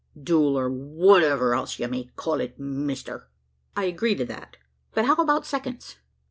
"Duel, or whatever else ye may call it, mister." "I agree to that. But how about seconds?"